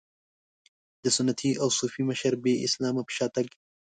د سنتي او صوفي مشربي اسلام په شا تګ.